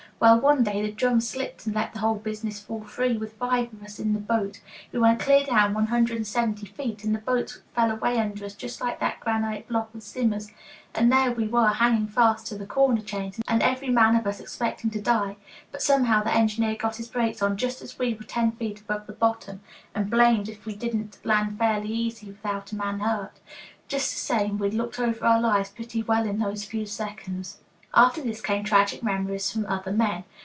Well, one day the drum slipped and let the whole business fall free with five of us in the boat. We went clear down one hundred and seventy feet, and the boat fell away under us just like that granite block of Zimmer's, and there we were hanging fast to the corner chains and every man of us expecting to die. But somehow the engineer got his brakes on just as we were ten feet above bottom, and blamed if we didn't land fairly easy without a man hurt. Just the same, we'd looked over our lives pretty well in those few seconds." After this came tragic memories from other men.